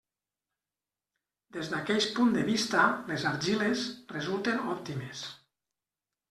Des d'aqueix punt de vista les argiles, resulten òptimes.